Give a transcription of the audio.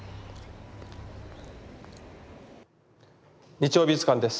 「日曜美術館」です。